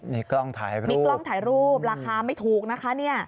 มีกล้องถ่ายรูปราคาไม่ถูกนะคะเนี่ย